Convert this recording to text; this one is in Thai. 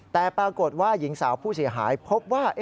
แต่ปรากฏว่าหญิงสาวผู้เสียหายพบว่า